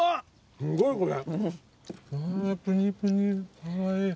すんごいこれ。